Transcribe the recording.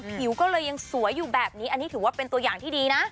ผิวก็เลยยังสวยอยู่แบบนี้อันนี้ถือว่าเป็นตัวอย่างที่ดีนะ